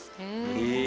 へえ。